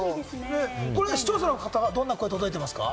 視聴者の方からはどんな声が届いてますか？